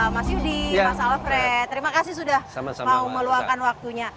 mas yudi mas alfred terima kasih sudah mau meluangkan waktunya